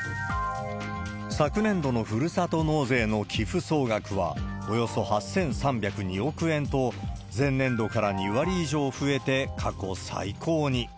昨年度のふるさと納税の寄付総額は、およそ８３０２億円と、前年度から２割以上増えて過去最高に。